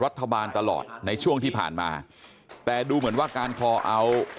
รัฐบาลตลอดในช่วงที่ผ่านมาแต่ดูเหมือนว่าการคอเอา